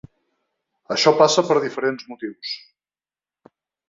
Això passa per diferents motius.